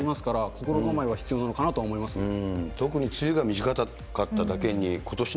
心構えは必要なのかなと思いますね。